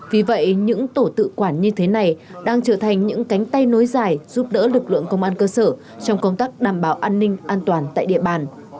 vì vậy những tổ tự quản như thế này đang trở thành những cánh tay nối dài giúp đỡ lực lượng công an cơ sở trong công tác đảm bảo an ninh an toàn tại địa bàn